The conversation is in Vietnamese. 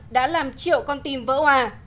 đã làm triệu con tim vỡ hòa